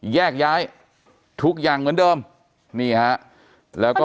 แยกย้ายทุกอย่างเหมือนเดิมนี่ฮะแล้วก็